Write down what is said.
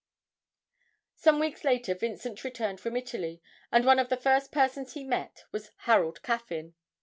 Some weeks later Vincent returned from Italy, and one of the first persons he met was Harold Caffyn.